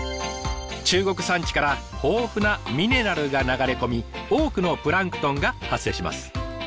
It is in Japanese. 中国山地から豊富なミネラルが流れ込み多くのプランクトンが発生します。